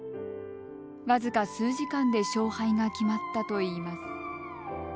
僅か数時間で勝敗が決まったといいます。